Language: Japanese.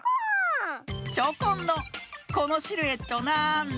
チョコンの「このシルエットなんだ？」